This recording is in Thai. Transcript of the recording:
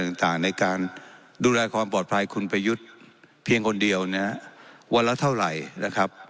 ต่างต่างในการดูแลความปลอดภัยคุณประยุทธ์เพียงคนเดียวนะฮะวันละเท่าไหร่นะครับ